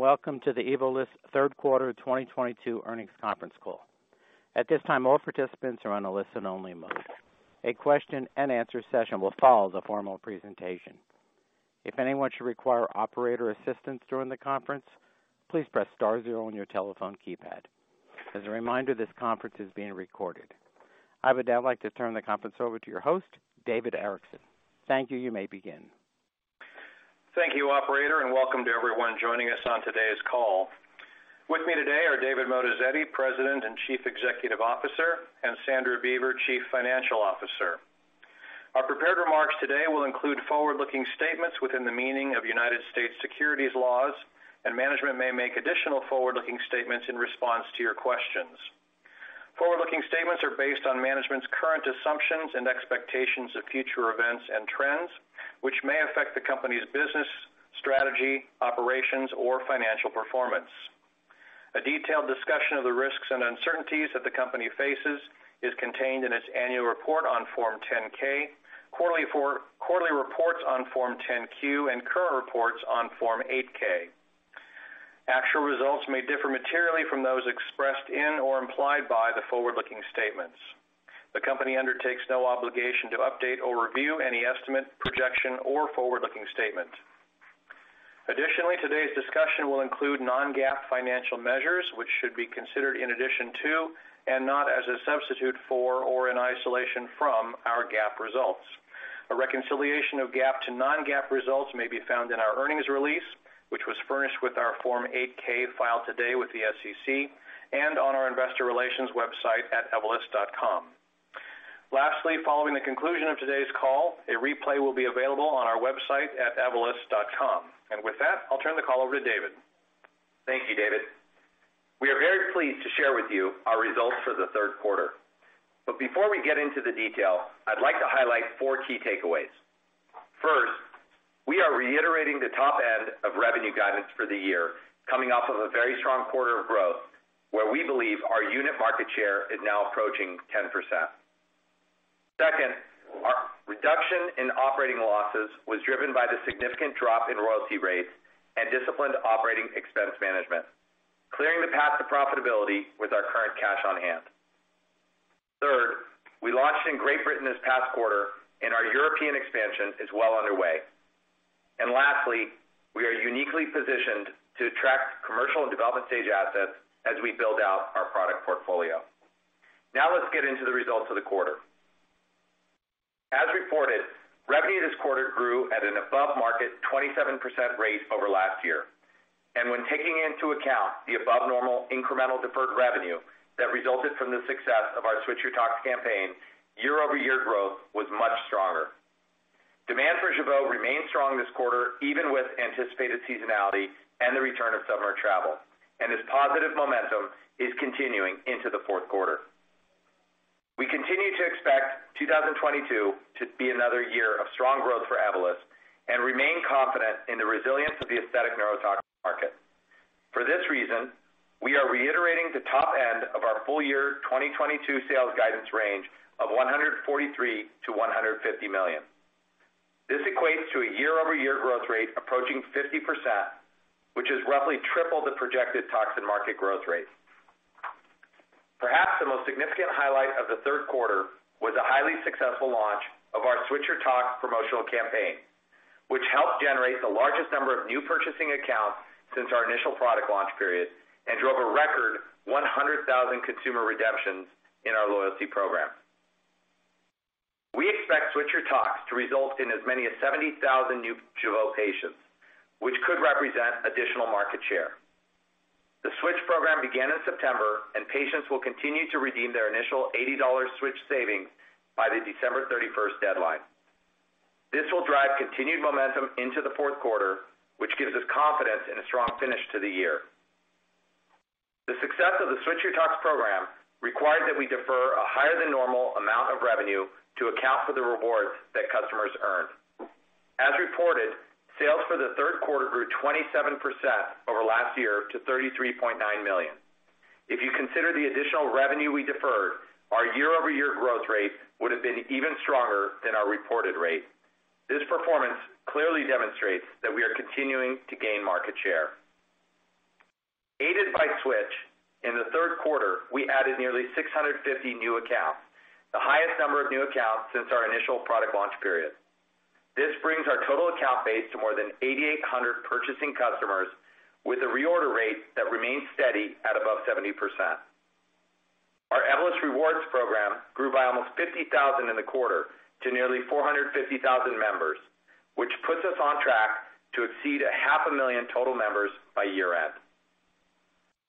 Greetings, and welcome to the Evolus third quarter 2022 earnings conference call. At this time, all participants are on a listen only mode. A question and answer session will follow the formal presentation. If anyone should require operator assistance during the conference, please press star zero on your telephone keypad. As a reminder, this conference is being recorded. I would now like to turn the conference over to your host, David Erickson. Thank you. You may begin. Thank you operator, and welcome to everyone joining us on today's call. With me today are David Moatazedi, President and Chief Executive Officer, and Sandra Beaver, Chief Financial Officer. Our prepared remarks today will include forward-looking statements within the meaning of United States securities laws, and management may make additional forward-looking statements in response to your questions. Forward-looking statements are based on management's current assumptions and expectations of future events and trends, which may affect the company's business, strategy, operations, or financial performance. A detailed discussion of the risks and uncertainties that the company faces is contained in its annual report on Form 10-K, quarterly reports on Form 10-Q, and current reports on Form 8-K. Actual results may differ materially from those expressed in or implied by the forward-looking statements. The company undertakes no obligation to update or review any estimate, projection, or forward-looking statement. Additionally, today's discussion will include non-GAAP financial measures, which should be considered in addition to, and not as a substitute for or in isolation from, our GAAP results. A reconciliation of GAAP to non-GAAP results may be found in our earnings release, which was furnished with our Form 8-K filed today with the SEC and on our investor relations website at evolus.com. Lastly, following the conclusion of today's call, a replay will be available on our website at evolus.com. With that, I'll turn the call over to David. Thank you, David. We are very pleased to share with you our results for the third quarter. Before we get into the detail, I'd like to highlight four key takeaways. First, we are reiterating the top end of revenue guidance for the year, coming off of a very strong quarter of growth, where we believe our unit market share is now approaching 10%. Second, our reduction in operating losses was driven by the significant drop in royalty rates and disciplined operating expense management, clearing the path to profitability with our current cash on hand. Third, we launched in Great Britain this past quarter, and our European expansion is well underway. Lastly, we are uniquely positioned to attract commercial and development stage assets as we build out our product portfolio. Now, let's get into the results of the quarter. As reported, revenue this quarter grew at an above market, 27% rate over last year. When taking into account the above normal incremental deferred revenue that resulted from the success of our Switch Your Tox campaign, year-over-year growth was much stronger. Demand for Jeuveau remained strong this quarter, even with anticipated seasonality and the return of summer travel, and this positive momentum is continuing into the fourth quarter. We continue to expect 2022 to be another year of strong growth for Evolus and remain confident in the resilience of the aesthetic neurotoxin market. For this reason, we are reiterating the top end of our full year 2022 sales guidance range of $143 million-$150 million. This equates to a year-over-year growth rate approaching 50%, which is roughly triple the projected toxin market growth rate. Perhaps the most significant highlight of the third quarter was a highly successful launch of our Switch Your Tox promotional campaign, which helped generate the largest number of new purchasing accounts since our initial product launch period and drove a record 100,000 consumer redemptions in our loyalty program. We expect Switch Your Tox to result in as many as 70,000 new Jeuveau patients, which could represent additional market share. The Switch program began in September, and patients will continue to redeem their initial $80 Switch savings by the December 31st deadline. This will drive continued momentum into the fourth quarter, which gives us confidence in a strong finish to the year. The success of the Switch Your Tox program required that we defer a higher than normal amount of revenue to account for the rewards that customers earned. As reported, sales for the third quarter grew 27% over last year to $33.9 million. If you consider the additional revenue we deferred, our year-over-year growth rate would have been even stronger than our reported rate. This performance clearly demonstrates that we are continuing to gain market share. Aided by Switch, in the third quarter, we added nearly 650 new accounts, the highest number of new accounts since our initial product launch period. This brings our total account base to more than 8,800 purchasing customers with a reorder rate that remains steady at above 70%. Our Evolus Rewards program grew by almost 50,000 in the quarter to nearly 450,000 members, which puts us on track to exceed 500,000 total members by year-end.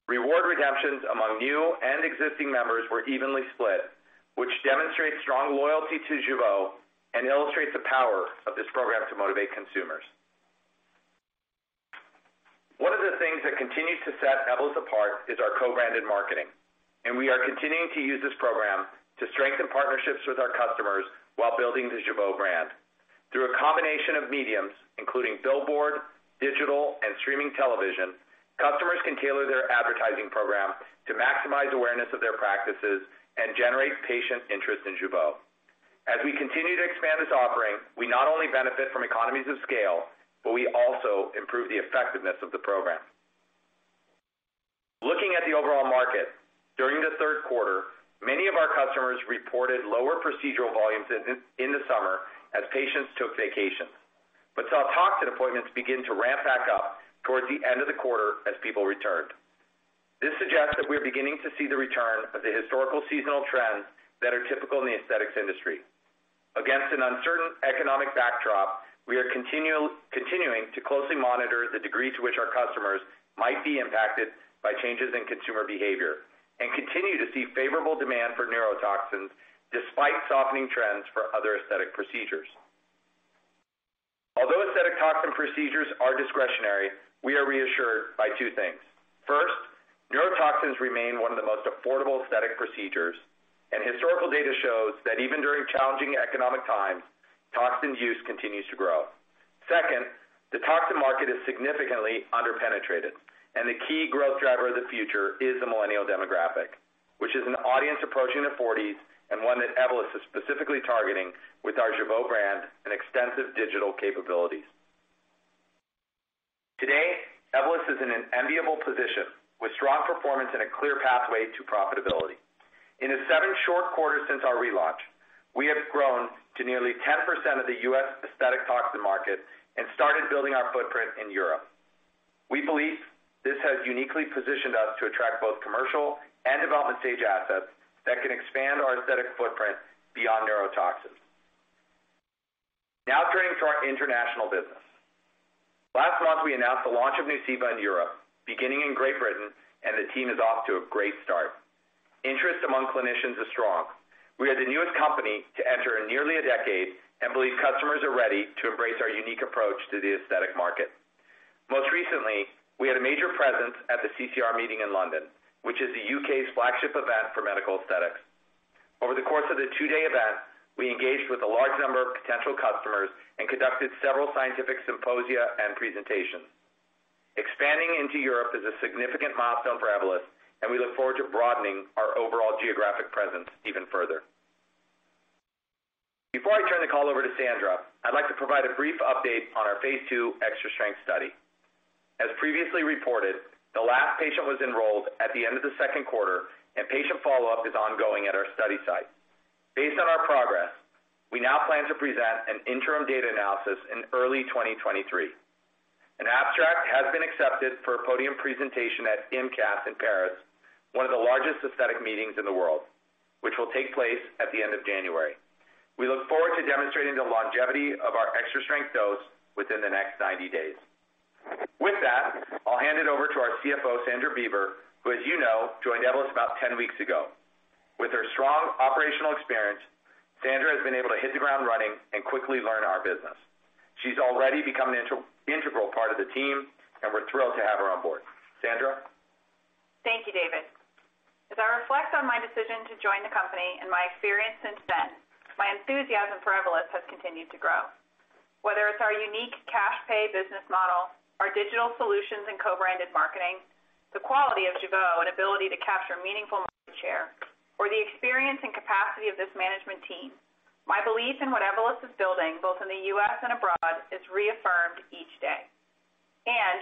Reward redemptions among new and existing members were evenly split, which demonstrates strong loyalty to Jeuveau and illustrates the power of this program to motivate consumers. One of the things that continues to set Evolus apart is our co-branded marketing, and we are continuing to use this program to strengthen partnerships with our customers while building the Jeuveau brand. Through a combination of media, including billboard, digital, and streaming television, customers can tailor their advertising program to maximize awareness of their practices and generate patient interest in Jeuveau. As we continue to expand this offering, we not only benefit from economies of scale, but we also improve the effectiveness of the program. Looking at the overall market, during the third quarter, many of our customers reported lower procedural volumes in the summer as patients took vacations, but saw toxin appointments begin to ramp back up towards the end of the quarter as people returned. This suggests that we're beginning to see the return of the historical seasonal trends that are typical in the aesthetics industry. Against an uncertain economic backdrop, we are continuing to closely monitor the degree to which our customers might be impacted by changes in consumer behavior and continue to see favorable demand for neurotoxins despite softening trends for other aesthetic procedures. Although aesthetic toxin procedures are discretionary, we are reassured by two things. First, neurotoxins remain one of the most affordable aesthetic procedures, and historical data shows that even during challenging economic times, toxin use continues to grow. Second, the toxin market is significantly underpenetrated, and the key growth driver of the future is the millennial demographic, which is an audience approaching their forties and one that Evolus is specifically targeting with our Jeuveau brand and extensive digital capabilities. Today, Evolus is in an enviable position with strong performance and a clear pathway to profitability. In the seven short quarters since our relaunch, we have grown to nearly 10% of the U.S. aesthetic toxin market and started building our footprint in Europe. We believe this has uniquely positioned us to attract both commercial and development stage assets that can expand our aesthetic footprint beyond neurotoxins. Now turning to our international business. Last month, we announced the launch of Nuceiva in Europe, beginning in Great Britain, and the team is off to a great start. Interest among clinicians is strong. We are the newest company to enter in nearly a decade and believe customers are ready to embrace our unique approach to the aesthetic market. Most recently, we had a major presence at the CCR meeting in London, which is the U.K.'s flagship event for medical aesthetics. Over the course of the two-day event, we engaged with a large number of potential customers and conducted several scientific symposia and presentations. Expanding into Europe is a significant milestone for Evolus, and we look forward to broadening our overall geographic presence even further. Before I turn the call over to Sandra, I'd like to provide a brief update on our phase 2 extra strength study. As previously reported, the last patient was enrolled at the end of the second quarter, and patient follow-up is ongoing at our study site. Based on our progress, we now plan to present an interim data analysis in early 2023. An abstract has been accepted for a podium presentation at IMCAS in Paris, one of the largest aesthetic meetings in the world, which will take place at the end of January. We look forward to demonstrating the longevity of our extra strength dose within the next 90 days. With that, I'll hand it over to our CFO, Sandra Beaver, who, as you know, joined Evolus about 10 weeks ago. With her strong operational experience, Sandra has been able to hit the ground running and quickly learn our business. She's already become an integral part of the team, and we're thrilled to have her on board. Sandra. Thank you, David. As I reflect on my decision to join the company and my experience since then, my enthusiasm for Evolus has continued to grow. Whether it's our unique cash pay business model, our digital solutions and co-branded marketing, the quality of Jeuveau and ability to capture meaningful market share, or the experience and capacity of this management team, my belief in what Evolus is building, both in the US and abroad, is reaffirmed each day.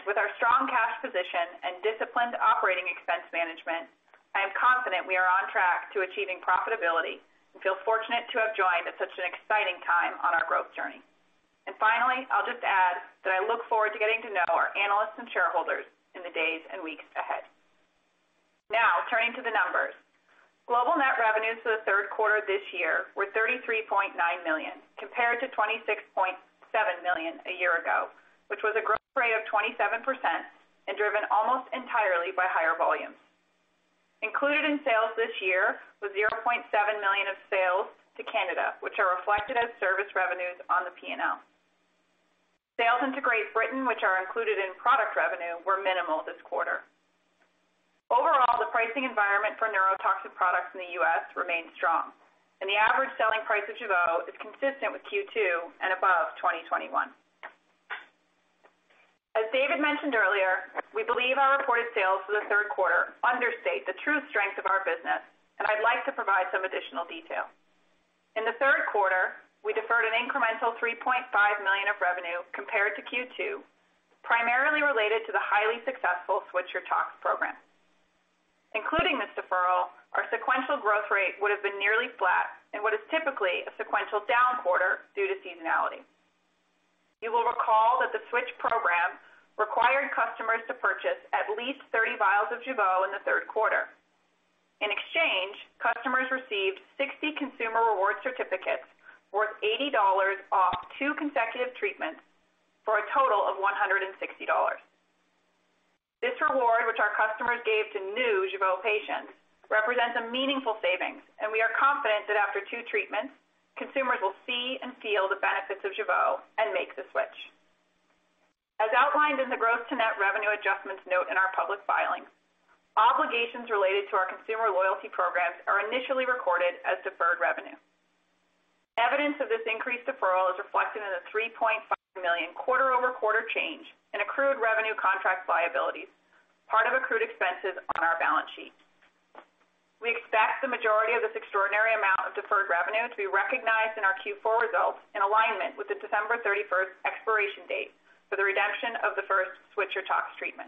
With our strong cash position and disciplined operating expense management, I am confident we are on track to achieving profitability and feel fortunate to have joined at such an exciting time on our growth journey. Finally, I'll just add that I look forward to getting to know our analysts and shareholders in the days and weeks ahead. Now, turning to the numbers. Global net revenues for the third quarter this year were $33.9 million, compared to $26.7 million a year ago, which was a growth rate of 27% and driven almost entirely by higher volumes. Included in sales this year was $0.7 million of sales to Canada, which are reflected as service revenues on the P&L. Sales into Great Britain, which are included in product revenue, were minimal this quarter. Overall, the pricing environment for neurotoxic products in the U.S. remains strong, and the average selling price of Jeuveau is consistent with Q2 and above 2021. As David mentioned earlier, we believe our reported sales for the third quarter understate the true strength of our business, and I'd like to provide some additional detail. In the third quarter, we deferred an incremental $3.5 million of revenue compared to Q2, primarily related to the highly successful Switch Your Tox program. Including this deferral, our sequential growth rate would have been nearly flat in what is typically a sequential down quarter due to seasonality. You will recall that the Switch program required customers to purchase at least 30 vials of Jeuveau in the third quarter. In exchange, customers received 60 consumer reward certificates worth $80 off 2 consecutive treatments for a total of $160. This reward, which our customers gave to new Jeuveau patients, represents a meaningful savings, and we are confident that after 2 treatments, consumers will see and feel the benefits of Jeuveau and make the switch. As outlined in the gross to net revenue adjustments note in our public filings, obligations related to our consumer loyalty programs are initially recorded as deferred revenue. Evidence of this increased deferral is reflected in the $3.5 million quarter-over-quarter change in accrued revenue contract liabilities. Part of accrued expenses on our balance sheet. We expect the majority of this extraordinary amount of deferred revenue to be recognized in our Q4 results in alignment with the December 31st expiration date for the redemption of the first Switch Your Tox treatment.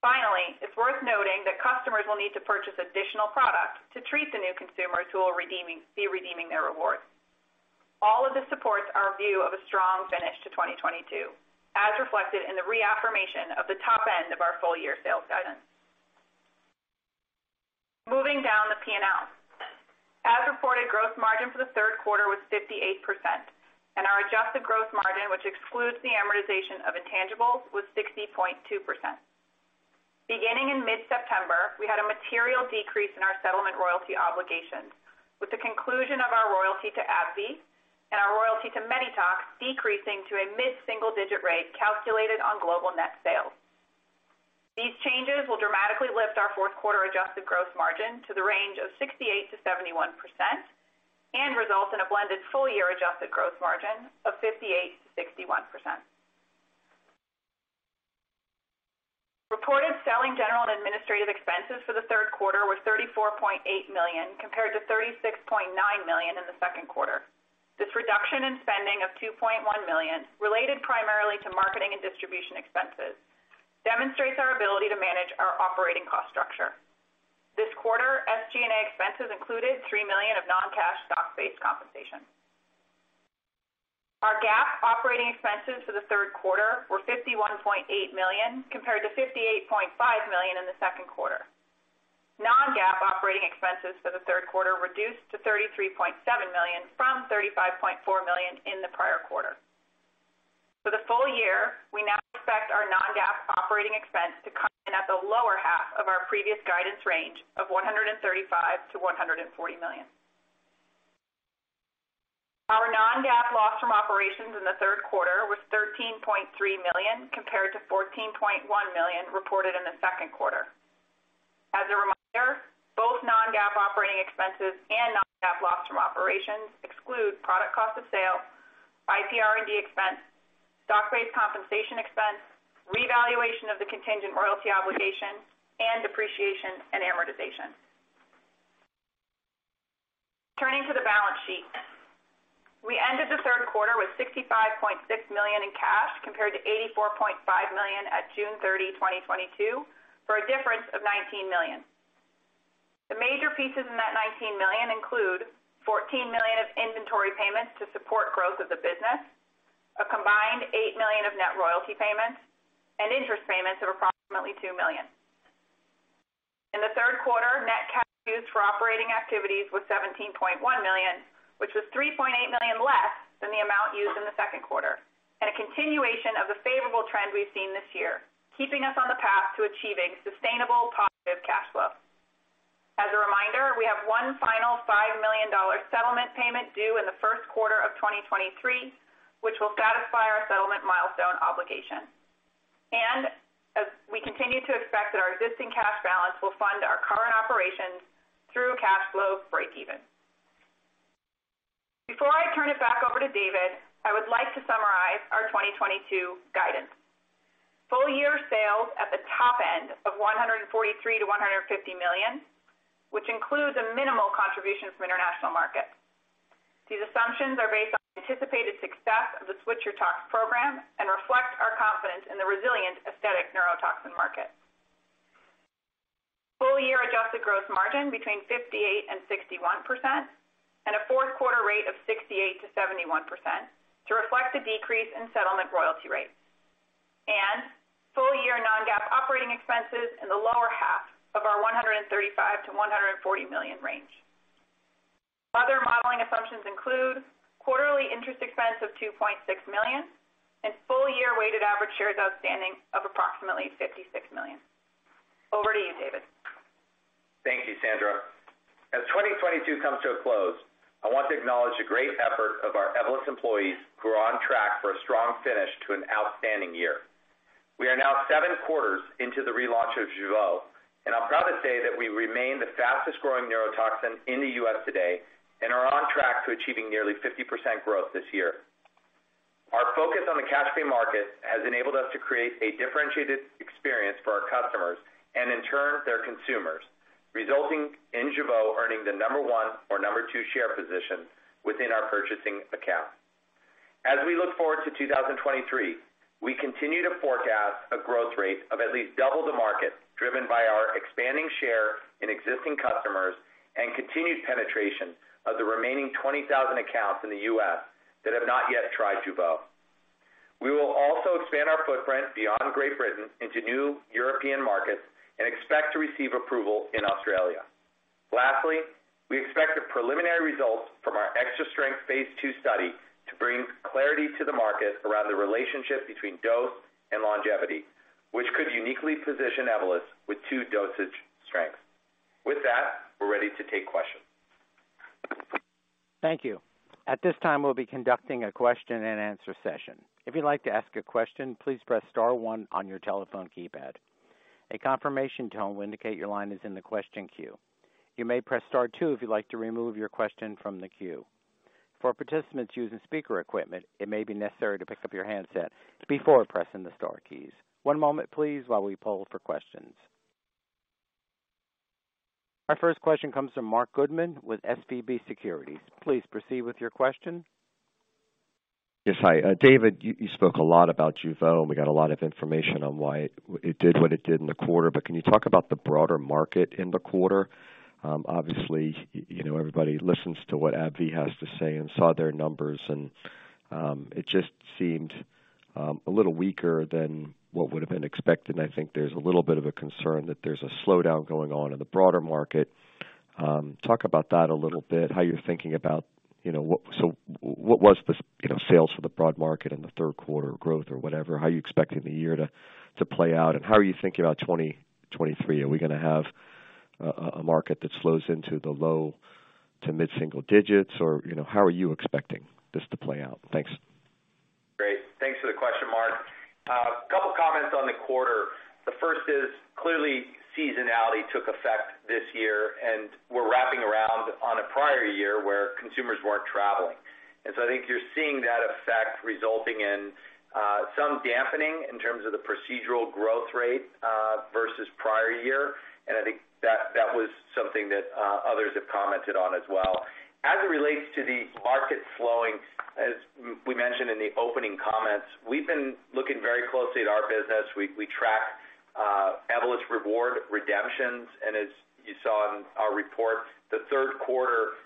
Finally, it's worth noting that customers will need to purchase additional product to treat the new consumers who will be redeeming their rewards. All of this supports our view of a strong finish to 2022, as reflected in the reaffirmation of the top end of our full year sales guidance. Moving down the P&L. As reported, gross margin for the third quarter was 58%, and our adjusted gross margin, which excludes the amortization of intangibles, was 60.2%. Beginning in mid-September, we had a material decrease in our settlement royalty obligations with the conclusion of our royalty to AbbVie and our royalty to Medytox decreasing to a mid-single-digit rate calculated on global net sales. These changes will dramatically lift our fourth quarter adjusted gross margin to the range of 68%-71% and result in a blended full year adjusted gross margin of 58%-61%. Reported selling, general, and administrative expenses for the third quarter were $34.8 million, compared to $36.9 million in the second quarter. This reduction in spending of $2.1 million related primarily to marketing and distribution expenses demonstrates our ability to manage our operating cost structure. This quarter, SG&A expenses included $3 million of non-cash stock-based compensation. Our GAAP operating expenses for the third quarter were $51.8 million, compared to $58.5 million in the second quarter. Non-GAAP operating expenses for the third quarter reduced to $33.7 million from $35.4 million in the prior quarter. For the full year, we now expect our non-GAAP operating expense to come in at the lower half of our previous guidance range of $135 million-$140 million. Our non-GAAP loss from operations in the third quarter was $13.3 million, compared to $14.1 million reported in the second quarter. As a reminder, both non-GAAP operating expenses and non-GAAP loss from operations exclude product cost of sale, IPR&D expense, stock-based compensation expense, revaluation of the contingent royalty obligation, and depreciation and amortization. Turning to the balance sheet. We ended the third quarter with $65.6 million in cash, compared to $84.5 million at June 30, 2022, for a difference of $19 million. The major pieces in that $19 million include $14 million of inventory payments to support growth of the business, a combined $8 million of net royalty payments, and interest payments of approximately $2 million. In the third quarter, net cash used for operating activities was $17.1 million, which was $3.8 million less than the amount used in the second quarter and a continuation of the favorable trend we've seen this year, keeping us on the path to achieving sustainable positive cash flow. As a reminder, we have one final $5 million settlement payment due in the first quarter of 2023, which will satisfy our settlement milestone obligation. As we continue to expect that our existing cash balance will fund our current operations through a cash flow breakeven. Before I turn it back over to David, I would like to summarize our 2022 guidance. Full-year sales at the top end of $143 million-$150 million, which includes a minimal contribution from international markets. These assumptions are based on anticipated success of the Switch Your Tox program and reflect our confidence in the resilient aesthetic neurotoxin market. Full-year adjusted gross margin between 58%-61% and a fourth quarter rate of 68%-71% to reflect the decrease in settlement royalty rates. Full-year non-GAAP operating expenses in the lower half of our $135 million-$140 million range. Other modeling assumptions include quarterly interest expense of $2.6 million and full year weighted average shares outstanding of approximately 56 million. Over to you, David. Thank you, Sandra. As 2022 comes to a close, I want to acknowledge the great effort of our Evolus employees who are on track for a strong finish to an outstanding year. We are now 7 quarters into the relaunch of Jeuveau, and I'm proud to say that we remain the fastest growing neurotoxin in the U.S. today and are on track to achieving nearly 50% growth this year. Our focus on the cash pay market has enabled us to create a differentiated experience for our customers and, in turn, their consumers, resulting in Jeuveau earning the number one or number two share position within our purchasing accounts. As we look forward to 2023, we continue to forecast a growth rate of at least double the market, driven by our expanding share in existing customers and continued penetration of the remaining 20,000 accounts in the U.S. that have not yet tried Jeuveau. We will also expand our footprint beyond Great Britain into new European markets and expect to receive approval in Australia. Lastly, we expect the preliminary results from our extra strength phase 2 study to bring clarity to the market around the relationship between dose and longevity, which could uniquely position Evolus with two dosage strengths. With that, we're ready to take questions. Thank you. At this time, we'll be conducting a question-and-answer session. If you'd like to ask a question, please press star one on your telephone keypad. A confirmation tone will indicate your line is in the question queue. You may press star two if you'd like to remove your question from the queue. For participants using speaker equipment, it may be necessary to pick up your handset before pressing the star keys. One moment please while we poll for questions. Our first question comes from Marc Goodman with SVB Securities. Please proceed with your question. Yes. Hi, David. You spoke a lot about Jeuveau, and we got a lot of information on why it did what it did in the quarter, but can you talk about the broader market in the quarter? Obviously, you know, everybody listens to what AbbVie has to say and saw their numbers, and it just seemed a little weaker than what would have been expected. I think there's a little bit of a concern that there's a slowdown going on in the broader market. Talk about that a little bit, how you're thinking about, you know, what was this, you know, sales for the broad market in the third quarter growth or whatever, how you expecting the year to play out, and how are you thinking about 2023? Are we gonna have a market that slows into the low- to mid-single digits, or, you know, how are you expecting this to play out? Thanks. Great. Thanks for the question, Mark. A couple of comments on the quarter. The first is, clearly seasonality took effect this year, and we're wrapping around on a prior year where consumers weren't traveling. I think you're seeing that effect resulting in some dampening in terms of the procedural growth rate versus prior year. I think that was something that others have commented on as well. As it relates to the market slowing, as we mentioned in the opening comments, we've been looking very closely at our business. We track Evolus Rewards redemptions, and as you saw in our report, the third quarter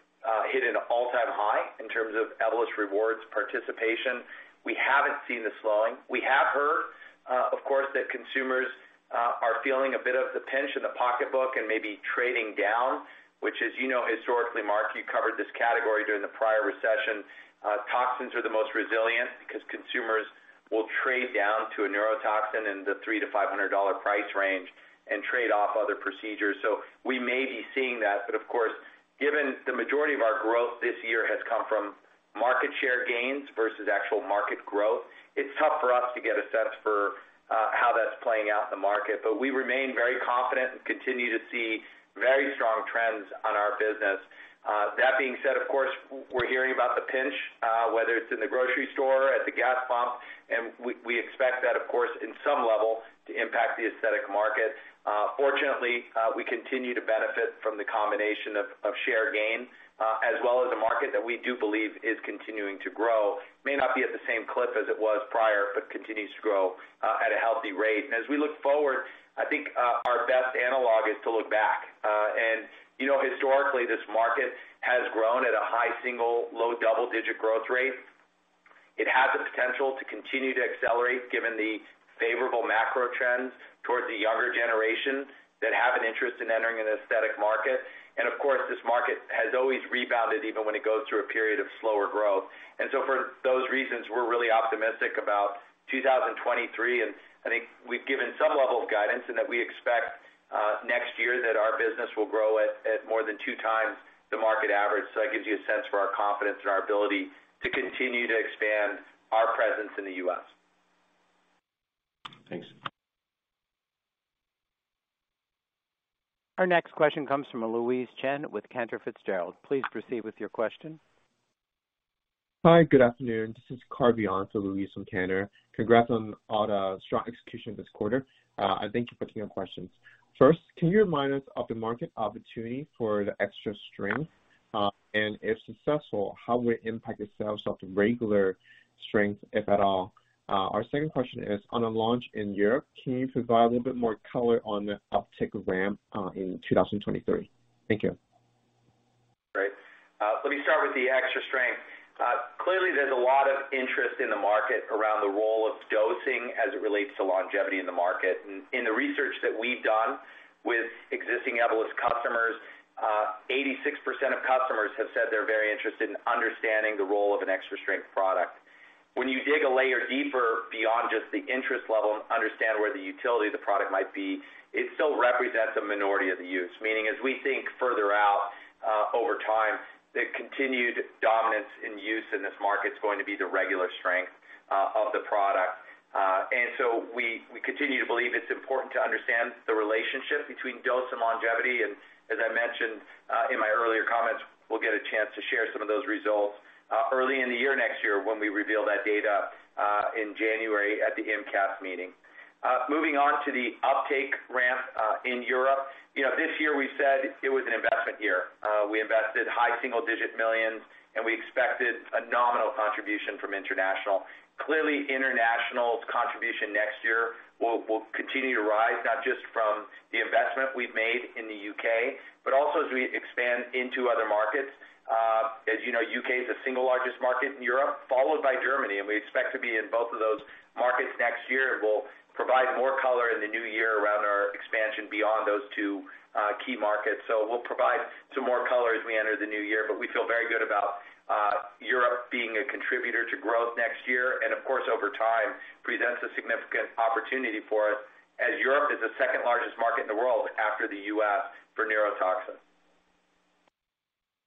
hit an all-time high in terms of Evolus Rewards participation. We haven't seen the slowing. We have heard, of course, that consumers are feeling a bit of the pinch in the pocketbook and maybe trading down, which is, you know, historically, Mark, you covered this category during the prior recession. Toxins are the most resilient because consumers will trade down to a neurotoxin in the $300-$500 price range and trade off other procedures. We may be seeing that. Of course, given the majority of our growth this year has come from market share gains versus actual market growth, it's tough for us to get a sense for how that's playing out in the market. We remain very confident and continue to see very strong trends on our business. That being said, of course, we're hearing about the pinch, whether it's in the grocery store or at the gas pump, and we expect that, of course, in some level, to impact the aesthetic market. Fortunately, we continue to benefit from the combination of share gain, as well as a market that we do believe is continuing to grow. May not be at the same clip as it was prior, but continues to grow at a healthy rate. As we look forward, I think our best analog is to look back. You know, historically, this market has grown at a high single-digit, low double-digit growth rate. It has the potential to continue to accelerate given the favorable macro trends towards the younger generation that have an interest in entering an aesthetic market. Of course, this market has always rebounded even when it goes through a period of slower growth. For those reasons, we're really optimistic about 2023. I think we've given some level of guidance and that we expect next year that our business will grow at more than 2x the market average. That gives you a sense for our confidence and our ability to continue to expand our presence in the U.S. Thanks. Our next question comes from Louise Chen with Cantor Fitzgerald. Please proceed with your question. Hi, good afternoon. This is Carvey for Louise from Cantor. Congrats on a strong execution this quarter. Thank you for taking our questions. First, can you remind us of the market opportunity for the extra strength? If successful, how will it impact the sales of the regular strength, if at all? Our second question is on a launch in Europe. Can you provide a little bit more color on the uptake ramp in 2023? Thank you. Great. Let me start with the extra strength. Clearly, there's a lot of interest in the market around the role of dosing as it relates to longevity in the market. In the research that we've done with existing Evolus customers, 86% of customers have said they're very interested in understanding the role of an extra-strength product. When you dig a layer deeper beyond just the interest level and understand where the utility of the product might be, it still represents a minority of the use. Meaning, as we think further out, over time, the continued dominance in use in this market is going to be the regular strength of the product. We continue to believe it's important to understand the relationship between dose and longevity. As I mentioned in my earlier comments, we'll get a chance to share some of those results early in the year next year when we reveal that data in January at the IMCAS meeting. Moving on to the uptake ramp in Europe. You know, this year we said it was an investment year. We invested high single-digit millions, and we expected a nominal contribution from international. Clearly, international's contribution next year will continue to rise, not just from the investment we've made in the U.K., but also as we expand into other markets. As you know, U.K. is the single largest market in Europe, followed by Germany, and we expect to be in both of those markets next year. We'll provide more color in the new year around our expansion beyond those two key markets. We'll provide some more color as we enter the new year, but we feel very good about Europe being a contributor to growth next year, and of course, over time, presents a significant opportunity for us as Europe is the second largest market in the world after the U.S. for neurotoxin.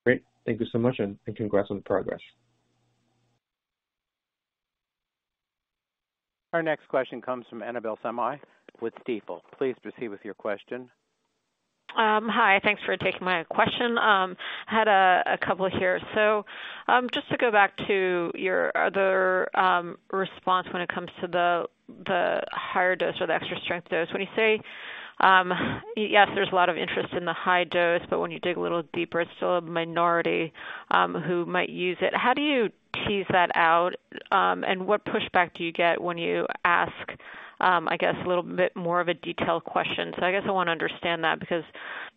Great. Thank you so much, and congrats on the progress. Our next question comes from Annabel Samimy with Stifel. Please proceed with your question. Hi, thanks for taking my question. I had a couple here. Just to go back to your other response when it comes to the higher dose or the extra strength dose. When you say yes, there's a lot of interest in the high dose, but when you dig a little deeper, it's still a minority who might use it. How do you tease that out, and what pushback do you get when you ask, I guess a little bit more of a detailed question? I guess I want to understand that because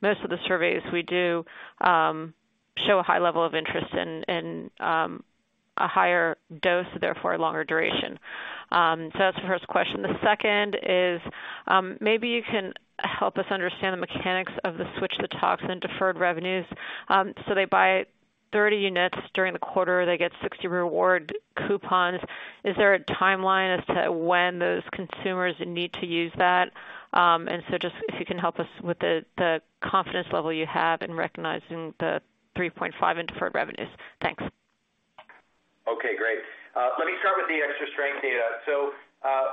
most of the surveys we do show a high level of interest in a higher dose, therefore longer duration. The second is, maybe you can help us understand the mechanics of the Switch Your Tox deferred revenues. They buy 30 units during the quarter, they get 60 reward coupons. Is there a timeline as to when those consumers need to use that? Just if you can help us with the confidence level you have in recognizing the $3.5 in deferred revenues. Thanks. Okay, great. Let me start with the extra strength data.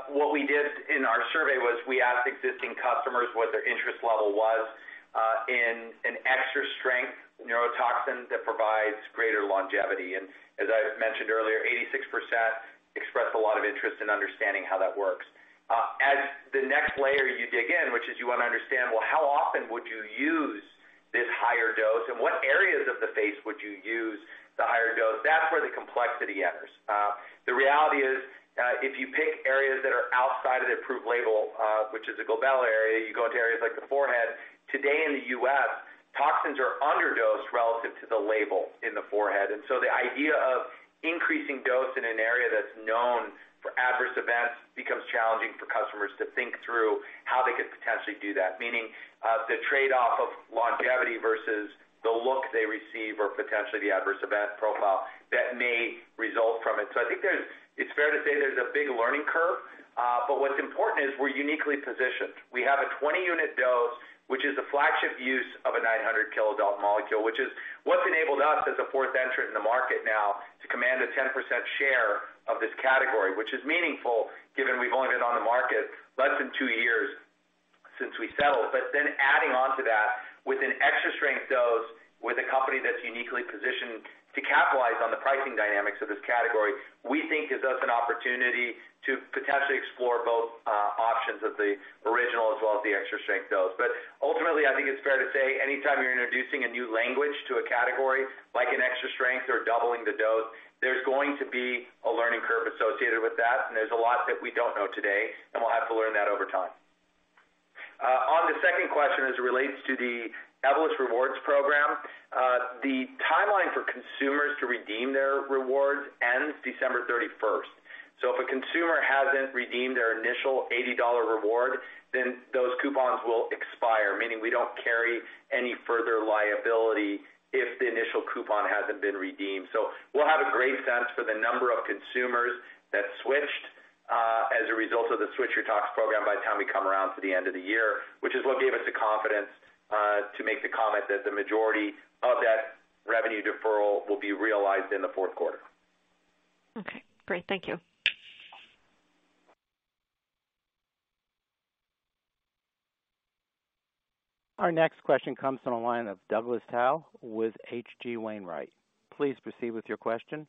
What we did in our survey was we asked existing customers what their interest level was in an extra strength neurotoxin that provides greater longevity. As I mentioned earlier, 86% expressed a lot of interest in understanding how that works. As the next layer you dig in, which is you wanna understand, well, how often would you use this higher dose, and what areas of the face would you use the higher dose? That's where the complexity enters. The reality is, if you pick areas that are outside of the approved label, which is a glabella area, you go into areas like the forehead. Today in the U.S., toxins are underdosed relative to the label in the forehead. The idea of increasing dose in an area that's known for adverse events becomes challenging for customers to think through how they could potentially do that. Meaning, the trade-off of longevity versus the look they receive or potentially the adverse event profile that may result from it. I think it's fair to say there's a big learning curve, but what's important is we're uniquely positioned. We have a 20-unit dose, which is the flagship use of a 900 kilodalton molecule, which is what's enabled us as a fourth entrant in the market now to command a 10% share of this category, which is meaningful given we've only been on the market less than 2 years since we settled. Adding on to that with an extra strength dose with a company that's uniquely positioned to capitalize on the pricing dynamics of this category, we think gives us an opportunity to potentially explore both, options of the original as well as the extra strength dose. Ultimately, I think it's fair to say anytime you're introducing a new language to a category like an extra strength or doubling the dose, there's going to be a learning curve associated with that, and there's a lot that we don't know today, and we'll have to learn that over time. On the second question, as it relates to the Evolus Rewards program, the timeline for consumers to redeem their rewards ends December thirty-first. If a consumer hasn't redeemed their initial $80 reward, then those coupons will expire, meaning we don't carry any further liability if the initial coupon hasn't been redeemed. We'll have a great sense for the number of consumers that switched as a result of the Switch Your Tox program by the time we come around to the end of the year, which is what gave us the confidence to make the comment that the majority of that revenue deferral will be realized in the fourth quarter. Okay, great. Thank you. Our next question comes from the line of Doug Tsao with H.C. Wainwright. Please proceed with your question.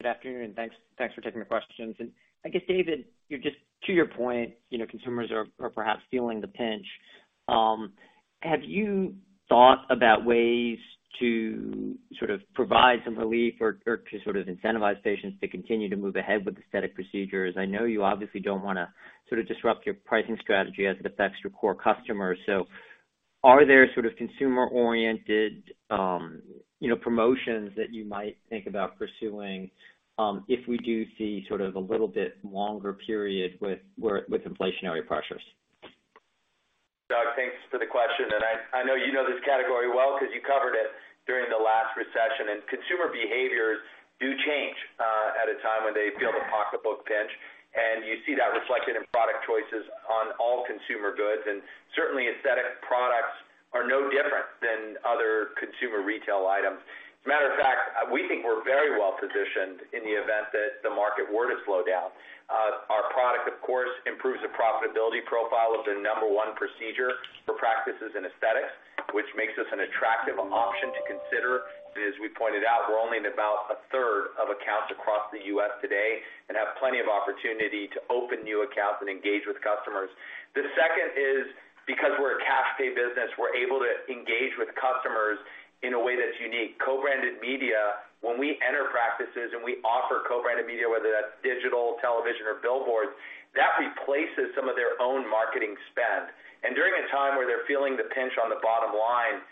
Good afternoon, thanks for taking the questions. I guess, David, to your point, you know, consumers are perhaps feeling the pinch. Have you thought about ways to sort of provide some relief or to sort of incentivize patients to continue to move ahead with aesthetic procedures? I know you obviously don't wanna sort of disrupt your pricing strategy as it affects your core customers. Are there sort of consumer-oriented, you know, promotions that you might think about pursuing, if we do see sort of a little bit longer period with inflationary pressures? Doug, thanks for the question. I know you know this category well because you covered it during the last recession. Consumer behaviors do change at a time when they feel the pocketbook pinch, and you see that reflected in product choices on all consumer goods. Certainly, aesthetic products are no different than other consumer retail items. As a matter of fact, we think we're very well positioned in the event that the market were to slow down. Our product, of course, improves the profitability profile of the number one procedure for practices and aesthetics, which makes us an attractive option to consider. As we pointed out, we're only in about a third of accounts across the U.S. today and have plenty of opportunity to open new accounts and engage with customers. The second is because we're a cash pay business, we're able to engage with customers in a way that's unique. Co-branded media, when we enter practices and we offer co-branded media, whether that's digital, television or billboards, that replaces some of their own marketing spend. During a time where they're feeling the pinch on the bottom line,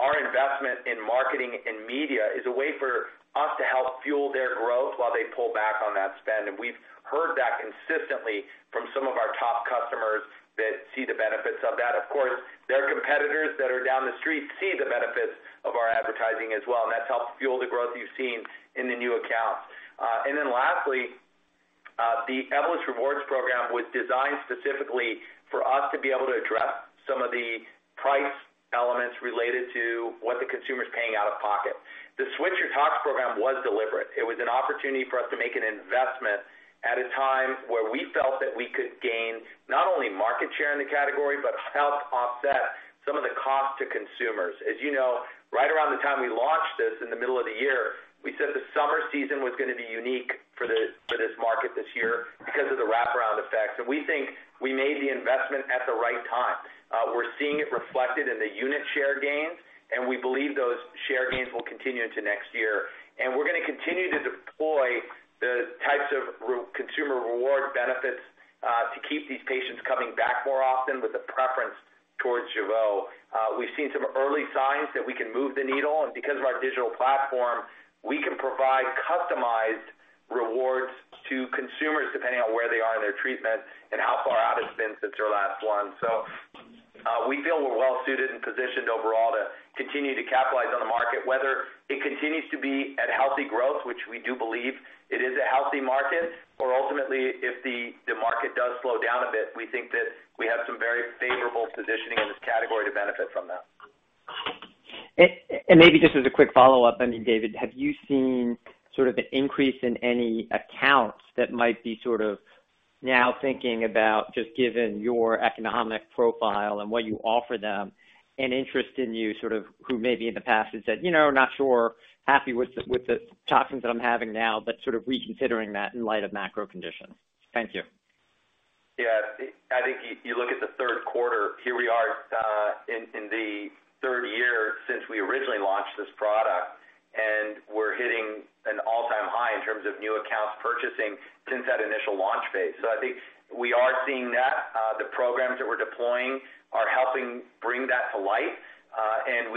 our investment in marketing and media is a way for us to help fuel their growth while they pull back on that spend. We've heard that consistently from some of our top customers that see the benefits of that. Of course, their competitors that are down the street see the benefits of our advertising as well, and that's helped fuel the growth you've seen in the new accounts. The Evolus Rewards program was designed specifically for us to be able to address some of the price elements related to what the consumer is paying out of pocket. The Switch Your Tox program was deliberate. It was an opportunity for us to make an investment at a time where we felt that we could gain not only market share in the category, but help offset some of the cost to consumers. As you know, right around the time we launched this in the middle of the year, we said the summer season was going to be unique for this market this year because of the wraparound effect. We think we made the investment at the right time. We're seeing it reflected in the unit share gains, and we believe those share gains will continue into next year. We're gonna continue to deploy the types of consumer reward benefits to keep these patients coming back more often with a preference towards Jeuveau. We've seen some early signs that we can move the needle, and because of our digital platform, we can provide customized rewards to consumers depending on where they are in their treatment and how far out it's been since their last one. We feel we're well suited and positioned overall to continue to capitalize on the market, whether it continues to be at healthy growth, which we do believe it is a healthy market. Ultimately, if the market does slow down a bit, we think that we have some very favorable positioning in this category to benefit from that. Maybe just as a quick follow-up, I mean, David, have you seen sort of an increase in any accounts that might be sort of now thinking about just given your economic profile and what you offer them, an interest in you, sort of who maybe in the past has said, "You know, not sure, happy with the toxins that I'm having now," but sort of reconsidering that in light of macro conditions? Thank you. Yeah. I think you look at the third quarter. Here we are in the third year since we originally launched this product, and we're hitting an all-time high in terms of new accounts purchasing since that initial launch phase. I think we are seeing that the programs that we're deploying are helping bring that to light.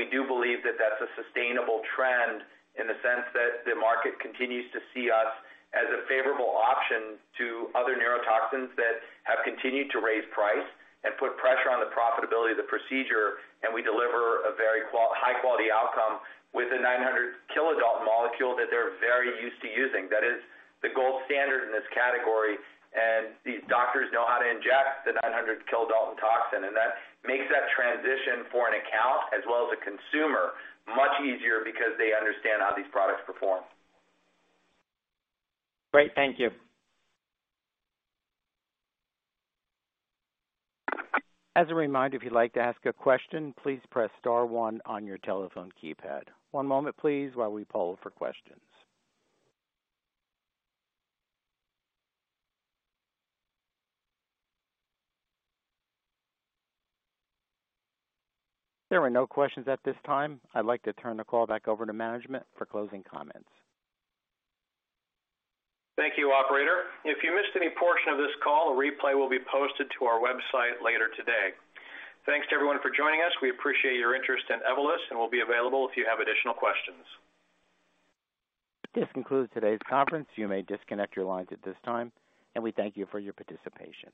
We do believe that that's a sustainable trend in the sense that the market continues to see us as a favorable option to other neurotoxins that have continued to raise price and put pressure on the profitability of the procedure. We deliver a very high-quality outcome with a 900 kilodalton molecule that they're very used to using. That is the gold standard in this category, and these doctors know how to inject the 900 kilodalton toxin. that makes that transition for an account as well as a consumer much easier because they understand how these products perform. Great. Thank you. As a reminder, if you'd like to ask a question, please press star one on your telephone keypad. One moment, please, while we poll for questions. There are no questions at this time. I'd like to turn the call back over to management for closing comments. Thank you, operator. If you missed any portion of this call, a replay will be posted to our website later today. Thanks to everyone for joining us. We appreciate your interest in Evolus and we'll be available if you have additional questions. This concludes today's conference. You may disconnect your lines at this time, and we thank you for your participation.